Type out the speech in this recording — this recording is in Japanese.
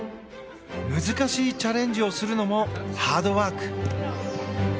難しいチャレンジをするのもハードワーク。